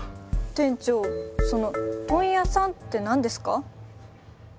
店長その問屋さんって何ですか？